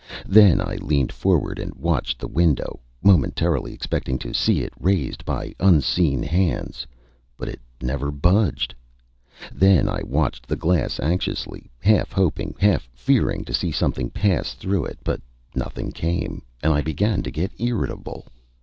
Then I leaned forward and watched the window, momentarily expecting to see it raised by unseen hands; but it never budged. Then I watched the glass anxiously, half hoping, half fearing to see something pass through it; but nothing came, and I began to get irritable.